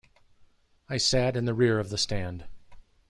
I sat in the rear of the stand.